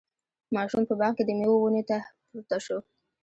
ماشوم په باغ کې د میوو ونې ته پورته شو.